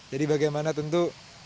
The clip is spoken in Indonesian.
jadi bagaimana tentu